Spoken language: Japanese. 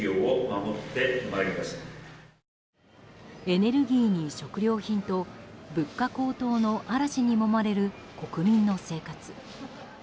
エネルギーに食料品と物価高騰の嵐にもまれる国民の生活。